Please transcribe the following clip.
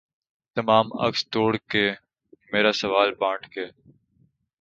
تمام عکس توڑ کے مرا سوال بانٹ کے